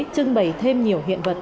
trưng bày thêm nhiều hiện vật